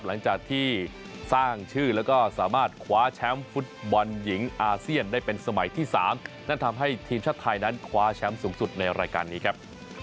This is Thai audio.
หลังจากที่สร้างชื่อแล้วก็สามารถคว้าแชมป์ฟุตบอลหญิงอาเซียนได้เป็นสมัยที่๓นั่นทำให้ทีมชาติไทยนั้นคว้าแชมป์สูงสุดในรายการนี้ครับ